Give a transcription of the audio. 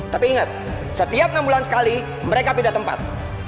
tapi inget setiap enam bulan sekali mereka beda tempat